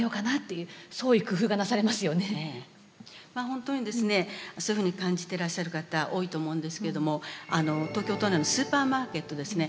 本当にですねそういうふうに感じていらっしゃる方多いと思うんですけれども東京都内のスーパーマーケットですね。